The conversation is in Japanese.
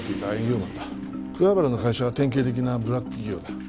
桑原の会社は典型的なブラック企業だ。